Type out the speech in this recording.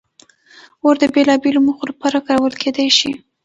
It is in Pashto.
اور د بېلابېلو موخو لپاره کارول کېدی شي.